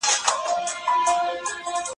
زه پرون تکړښت وکړ.